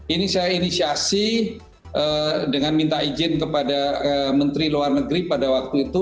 ini saya inisiasi dengan minta izin kepada menteri luar negeri pada waktu itu